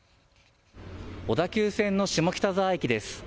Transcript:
小田急線の下北沢駅です。